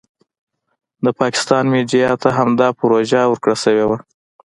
د پاکستان میډیا ته همدا پروژه ورکړای شوې ده.